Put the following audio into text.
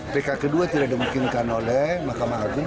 pk kedua tidak dimungkinkan oleh mahkamah agung